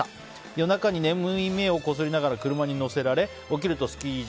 夜中に眠い目をこすりながら車に乗せられ、起きたらスキー場。